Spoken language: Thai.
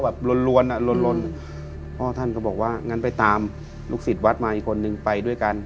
ล้วนล้วนอ่ะลนพ่อท่านก็บอกว่างั้นไปตามลูกศิษย์วัดมาอีกคนนึงไปด้วยกัน